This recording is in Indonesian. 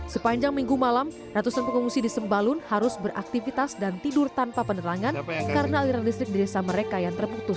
sepanjang minggu malam ratusan pengungsi di sembalun harus beraktivitas dan tidur tanpa penerangan karena aliran listrik di desa mereka yang terputus